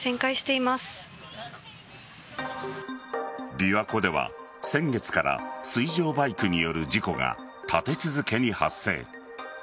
琵琶湖では、先月から水上バイクによる事故が立て続けに発生。